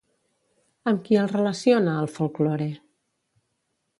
Amb qui el relaciona, el folklore?